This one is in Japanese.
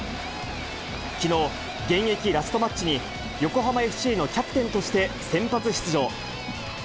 きのう、現役ラストマッチに、横浜ＦＣのキャプテンとして先発出場。